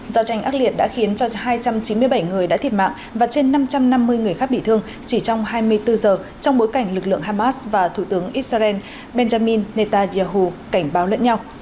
giao tranh ác liệt đã khiến cho hai trăm chín mươi bảy người đã thiệt mạng và trên năm trăm năm mươi người khác bị thương chỉ trong hai mươi bốn giờ trong bối cảnh lực lượng hamas và thủ tướng israel benjamin netanyahu cảnh báo lẫn nhau